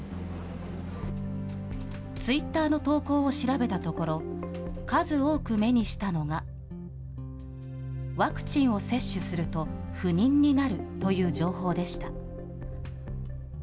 ツイッターの投稿を調べたところ、数多く目にしたのが、ワクチンを接種すると不妊になるという情報でした。